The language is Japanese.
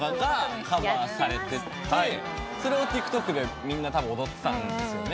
それをＴｉｋＴｏｋでみんな多分踊ってたんですよね。